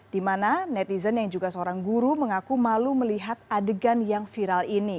di mana netizen yang juga seorang guru mengaku malu melihat adegan yang viral ini